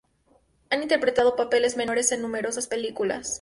Ha interpretado papeles menores en numerosas películas.